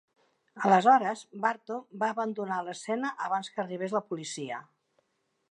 Aleshores, Barton va abandonar l'escena abans que arribés la policia.